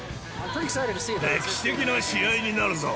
歴史的な試合になるぞ。